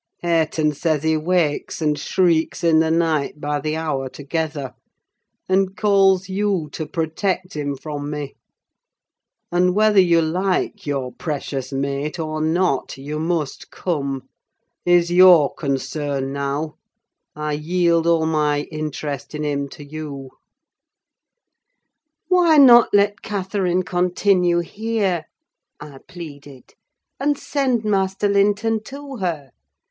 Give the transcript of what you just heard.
Hareton says he wakes and shrieks in the night by the hour together, and calls you to protect him from me; and, whether you like your precious mate, or not, you must come: he's your concern now; I yield all my interest in him to you." "Why not let Catherine continue here," I pleaded, "and send Master Linton to her?